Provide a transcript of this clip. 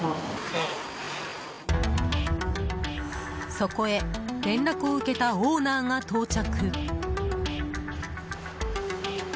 そこへ連絡を受けたオーナーが到着。